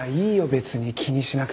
別に気にしなくて。